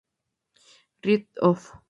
Rif or.